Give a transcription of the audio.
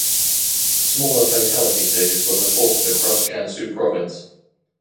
Smaller fatality figures were reported across Gansu Province.